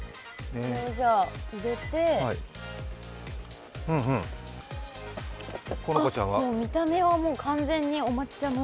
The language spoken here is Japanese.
じゃあ、入れて見た目はもう完全にお抹茶の。